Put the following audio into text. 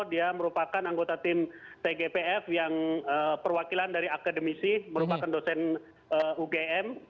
dia merupakan anggota tim tgpf yang perwakilan dari akademisi merupakan dosen ugm